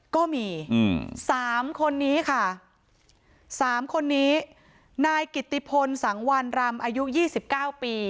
ก็มี๓คนนี้ค่ะ๓คนนี้นายกิตติพลสังวันรำอายุ๒๙ปี